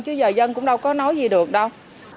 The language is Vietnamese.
chứ giờ dân cũng đâu có nói gì được đâu